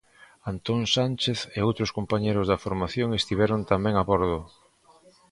Antón Sánchez e outros compañeiros da formación estiveron tamén a bordo.